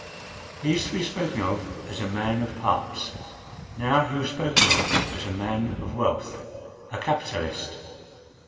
He used to be spoken of as "a man of parts;" now he was spoken of as "a man of wealth—a capitalist."